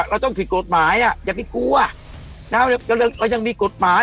เราต้องผิดกฎหมายอ่ะอย่าไปกลัวนะเรายังมีกฎหมาย